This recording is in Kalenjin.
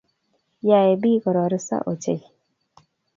Yae biik kororosiso ochei